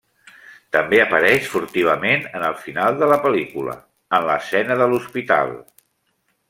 També apareix furtivament en el final de la pel·lícula, en l'escena de l'hospital.